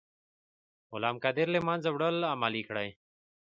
غلام قادر له منځه وړل عملي کړئ.